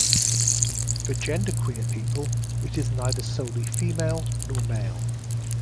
For genderqueer people, it is neither solely female nor male.